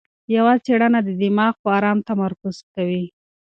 یوه څېړنه د دماغ پر ارام تمرکز کوي.